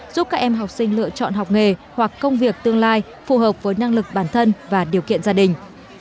giúp các em học sinh lựa chọn học nghề hoặc công việc tương lai phù hợp với năng lực bản thân và điều kiện gia đình